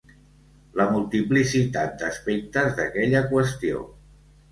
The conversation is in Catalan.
La multiplicitat d'aspectes d'aquella qüestió.